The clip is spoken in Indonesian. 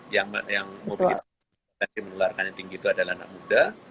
yang mobilitas menularkan yang tinggi itu adalah anak muda